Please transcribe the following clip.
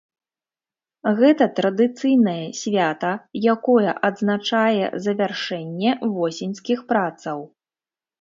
Гэта традыцыйнае свята, якое адзначае завяршэнне восеньскіх працаў.